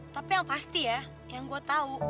tapi yang pasti ya yang gue tahu